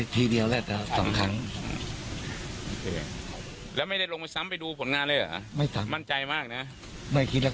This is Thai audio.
เพราะอะไรไปไม่ไกล